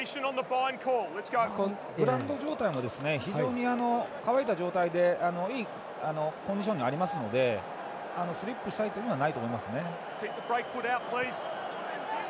グラウンド状態も非常に乾いた状態でいいコンディションですのでスリップしたりということはないと思いますね。